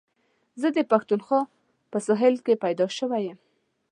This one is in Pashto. زه د پښتونخوا په سهېل کي پيدا شوی یم.